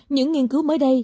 những nghiên cứu mới đây